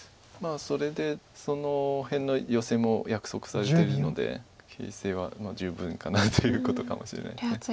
それでその辺のヨセも約束されてるので形勢は十分かなということかもしれないです。